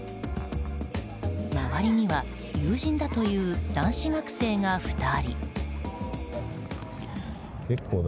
周りには友人だという男子学生が２人。